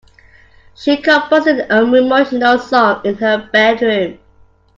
She composed an emotional song in her bedroom.